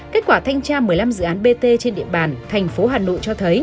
kết quả thanh tra một mươi năm dự án bt trên địa bàn thành phố hà nội cho thấy